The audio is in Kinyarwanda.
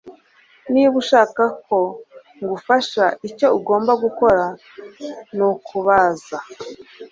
Niba ushaka ko ngufasha icyo ugomba gukora nukubaza